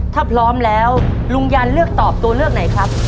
ถ้าพร้อมแล้วลุงยันเลือกตอบตัวเลือกไหนครับ